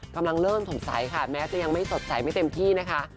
กำลังเริ่มสงสัยค่ะแม้จะยังไม่สดใสไม่เต็มที่นะคะ